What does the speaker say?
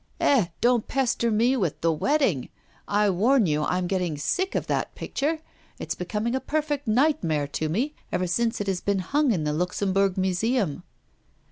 'Eh? Don't pester me with "The Wedding"; I warn you I am getting sick of that picture. It is becoming a perfect nightmare to me ever since it has been hung in the Luxembourg Museum.